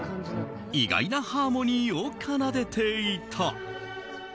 意外なハーモニーを奏でていた。